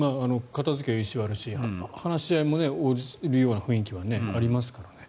片付ける意思はあるし話し合いも応じるような雰囲気はありますからね。